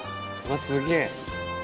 すげえ。